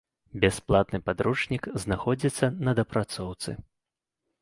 Бясплатны падручнік знаходзіцца на дапрацоўцы.